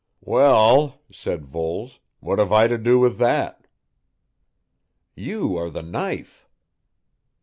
"Well," said Voles. "What have I to do with that?" "You are the knife."